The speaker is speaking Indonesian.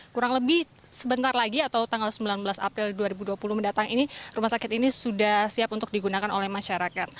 kurang lebih sebentar lagi atau tanggal sembilan belas april dua ribu dua puluh mendatang ini rumah sakit ini sudah siap untuk digunakan oleh masyarakat